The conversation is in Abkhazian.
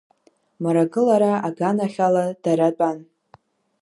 Мрагылара аганахь ала дара тәан.